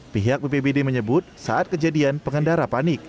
pihak bpbd menyebut saat kejadian pengendara panik